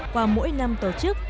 qua mỗi năm tổ chức